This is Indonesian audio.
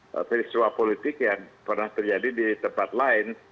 saya bisa melihat kesempatan politik yang pernah terjadi di tempat lain